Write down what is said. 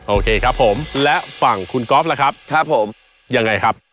โอเคครับผมและฝั่งคุณก๊อฟล่ะครับครับผมยังไงครับ